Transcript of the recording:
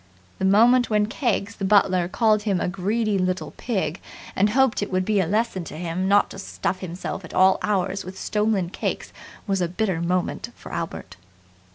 The moment when Keggs, the butler, called him a greedy little pig and hoped it would be a lesson to him not to stuff himself at all hours with stolen cakes was a bitter moment for Albert.